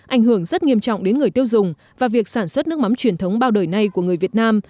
ảnh hưởng rất nghiêm trọng đến người tiêu dùng và việc sản xuất nước mắm truyền thống bao đời này của người việt nam